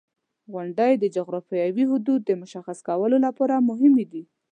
• غونډۍ د جغرافیوي حدودو د مشخصولو لپاره مهمې دي.